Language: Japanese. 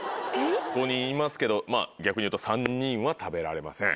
５人いますけど逆にいうと３人は食べられません。